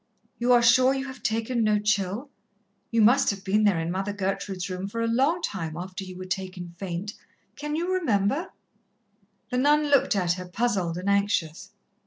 "You are sure you have taken no chill? You must have been there in Mother Gertrude's room for a long time after you were taken faint.... Can you remember?" The nun looked at her, puzzled and anxious.